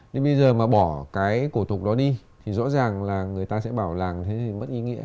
nhưng bây giờ mà bỏ cái cổ tục đó đi thì rõ ràng là người ta sẽ bảo làng thế thì mất ý nghĩa